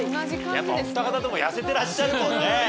やっぱお二方とも痩せてらっしゃるもんね。